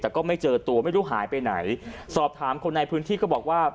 แต่ก็ไม่เจอตัวไม่รู้หายไปไหนสอบถามคนในพื้นที่ก็บอกว่า